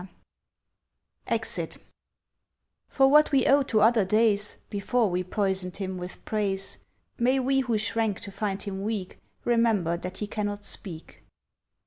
J72J EXIT For what we owe to other days, Before we poisoned him with praise, May we who shrank to find him weak Remember that he cannot speak.